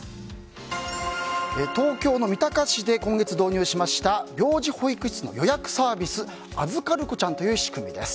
東京の三鷹市で今月導入しました病児保育室の予約サービスあずかるこちゃんという仕組み。